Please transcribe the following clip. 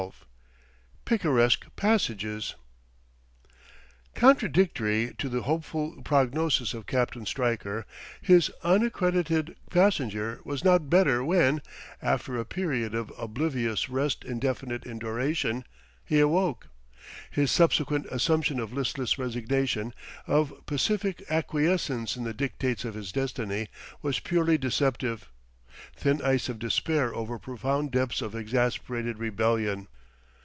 XII PICARESQUE PASSAGES Contradictory to the hopeful prognosis of Captain Stryker, his unaccredited passenger was not "better" when, after a period of oblivious rest indefinite in duration, he awoke. His subsequent assumption of listless resignation, of pacific acquiescence in the dictates of his destiny, was purely deceptive thin ice of despair over profound depths of exasperated rebellion.